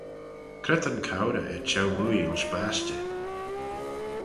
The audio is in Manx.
Cre ta'n cowrey er çheu-mooie ayns bashtey?